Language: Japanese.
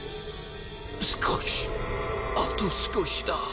少しあと少しだ。